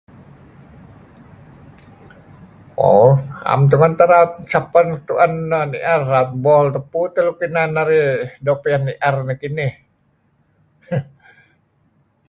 Mo... 'em tungen teh raut sapeh nuk tu'en neh ni'er. Raut ebol tupu teh nuk inan narih doo' pian ni'er nekinin.